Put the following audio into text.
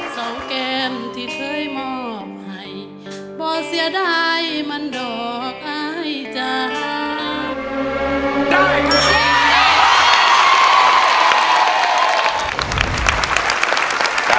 สองแก้มที่เคยมอบให้บ่เสียดายมันดอกอายจาก